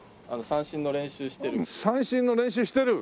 三線の練習してる！